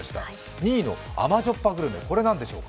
２位の甘じょっぱグルメ、これは何でしょうか。